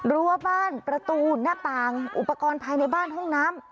รั้วบ้านประตูหน้าต่างอุปกรณ์ภายในบ้านห้องน้ำ